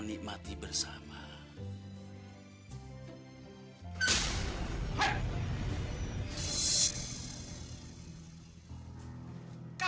nikmati bersama hai hai